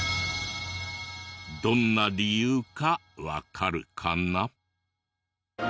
どんな理由かわかるかな？